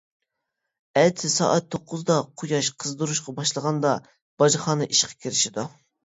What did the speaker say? ئەتىسى سائەت توققۇزدا قۇياش قىزدۇرۇشقا باشلىغاندا باجخانا ئىشقا كىرىشىدۇ.